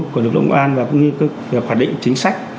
của lực lượng quản lý và cũng như các hoạt định chính sách